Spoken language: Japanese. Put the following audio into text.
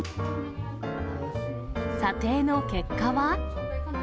査定の結果は？